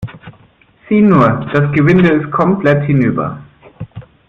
Sieh nur, das Gewinde ist komplett hinüber.